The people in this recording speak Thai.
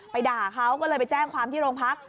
ด่าเขาก็เลยไปแจ้งความที่โรงพัก